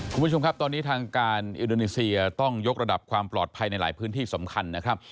คุณผู้ชมครับตอนนี้ทางการอินโดนีเซียต้องยกระดับความปลอดภัยในหลายพื้นที่สำคัญนะครับ